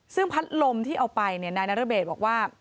ซึ่งพัดลมที่เอาไปนายนรเบศบอกว่า